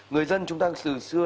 người dân chúng ta từ xưa